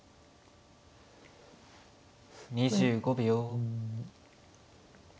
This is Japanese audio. ２５秒。